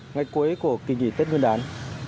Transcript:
ngày cuối của kỳ nghỉ tết hương đán